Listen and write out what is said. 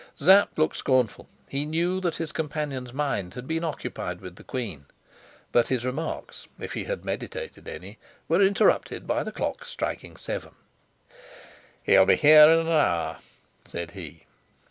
Sapt looked scornful; he knew that his companion's mind had been occupied with the queen. But his remarks if he had meditated any were interrupted by the clock striking seven. "He'll be here in an hour," said he.